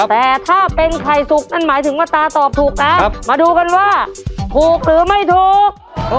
แต่ถ้าเป็นไข่สุกนั่นหมายถึงว่าตาตอบถูกนะมาดูกันว่าถูกหรือไม่ถูก